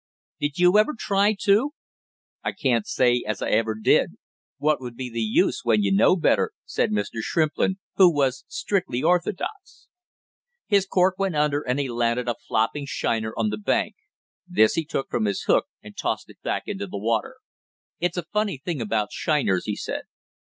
"Did you ever try to?" "I can't say as I ever did. What would be the use when you know better?" said Mr. Shrimplin, who was strictly orthodox. His cork went under and he landed a flopping shiner on the bank; this he took from his hook and tossed back into the water. "It's a funny thing about shiners!" he said.